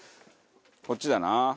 こっちだな。